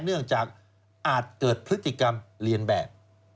เนื่องจากอาจเกิดพฤติกรรมเรียนแบบ